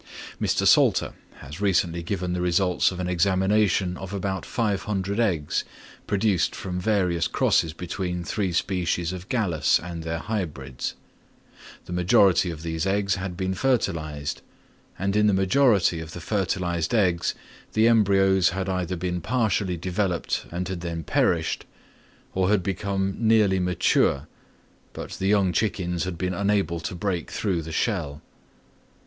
Mr. Salter has recently given the results of an examination of about 500 eggs produced from various crosses between three species of Gallus and their hybrids; the majority of these eggs had been fertilised; and in the majority of the fertilised eggs, the embryos had either been partially developed and had then perished, or had become nearly mature, but the young chickens had been unable to break through the shell.